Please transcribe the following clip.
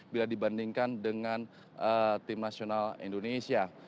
bila dibandingkan dengan tim nasional indonesia